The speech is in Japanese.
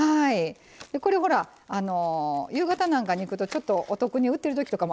これほら夕方なんかに行くとちょっとお得に売ってる時とかもあるじゃないですか。